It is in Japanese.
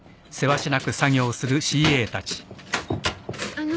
あの。